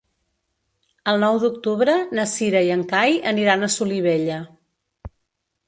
El nou d'octubre na Cira i en Cai aniran a Solivella.